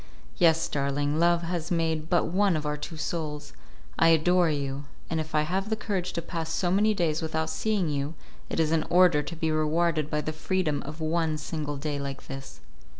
"Yes, darling, Love has made but one of our two souls. I adore you, and if I have the courage to pass so many days without seeing you it is in order to be rewarded by the freedom of one single day like this."